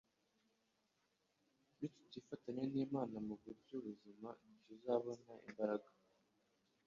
Nitutifatanya n'Imana mu buryo buzima ntituzabona imbaraga